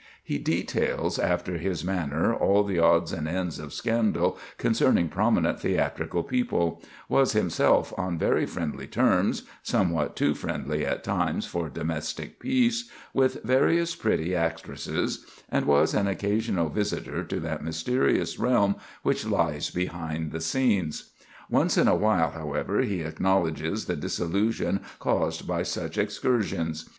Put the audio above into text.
He details, after his manner, all the odds and ends of scandal concerning prominent theatrical people; was himself on very friendly terms—somewhat too friendly at times for domestic peace—with various pretty actresses; and was an occasional visitor to that mysterious realm which lies behind the scenes. Once in a while, however, he acknowledges the disillusion caused by such excursions.